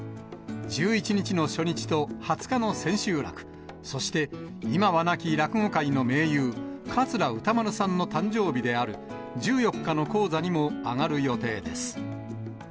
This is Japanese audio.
１１日の初日と２０日の千秋楽、そして今は亡き落語界の盟友、桂歌丸さんの誕生日である１４日の高座にも上がる予定です。